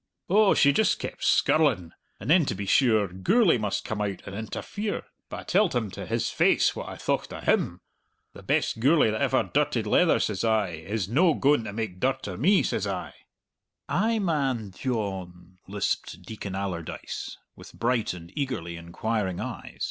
"Oh, she just kept skirling! And then, to be sure, Gourlay must come out and interfere! But I telled him to his face what I thocht of him! 'The best Gourlay that ever dirtied leather,' says I, ''s no gaun to make dirt of me,' says I." "Ay, man, Dyohn!" lisped Deacon Allardyce, with bright and eagerly inquiring eyes.